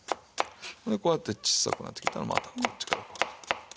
こうやって小さくなってきたらまたこっちからこう。